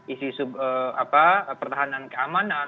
isi pertahanan keamanan